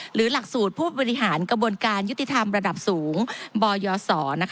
หลักสูตรผู้บริหารกระบวนการยุติธรรมระดับสูงบยศ